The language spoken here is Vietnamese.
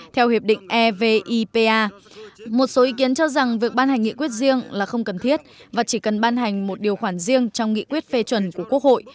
theo hiệp định evipa một số ý kiến cho rằng việc ban hành nghị quyết riêng là không cần thiết và chỉ cần ban hành một điều khoản riêng trong nghị quyết phê chuẩn của quốc hội